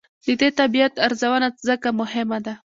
د دې طبیعت ارزونه ځکه مهمه ده.